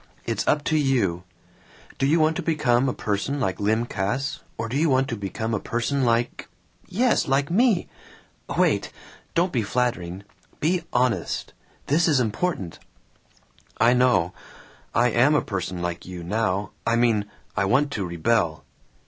It's up to you. Do you want to become a person like Lym Cass, or do you want to become a person like yes, like me! Wait! Don't be flattering. Be honest. This is important." "I know. I am a person like you now! I mean, I want to rebel."